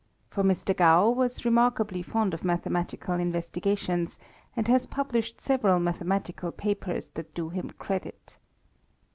For Mr. Gough was remarkably fond of mathematical investigations, and has published several mathematical papers that do him credit.